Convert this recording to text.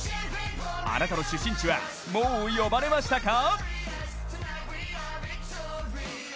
あなたの出身地はもう呼ばれましたか？